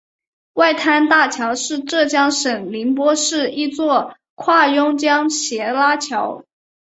外滩大桥是浙江省宁波市一座跨甬江斜拉桥。